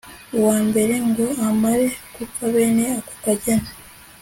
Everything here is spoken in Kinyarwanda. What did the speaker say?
uwa mbere ngo amare gupfa bene ako kageni